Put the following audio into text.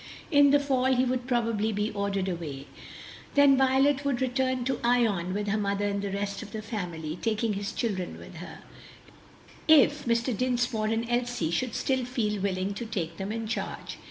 In the fall he would probably be ordered away; then Violet would return to Ion with her mother and the rest of the family, taking his children with her, if Mr. Dinsmore and Elsie should still feel willing to take them in charge.